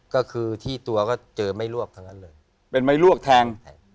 ก็คือที่ตัวก็เจอไม่ลวกทั้งนั้นเลยเป็นไม้ลวกแทง